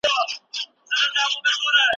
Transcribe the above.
د ستونزو حل یوازې په پیسو نه کیږي.